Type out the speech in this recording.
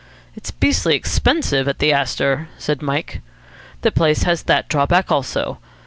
"It's beastly expensive at the Astor," said Mike. "The place has that drawback also.